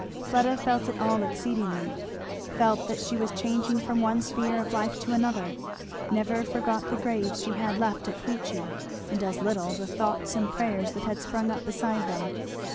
Fleda felt it all exceedingly; felt that she was changing from one sphere of life to another; never forgot the graves she had left at Queechy, and as little the thoughts and prayers that had sprung up beside them.